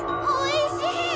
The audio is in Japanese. おいしい！